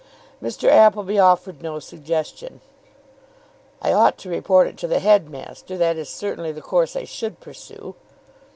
Mr. Appleby offered no suggestion. "I ought to report it to the headmaster. That is certainly the course I should pursue."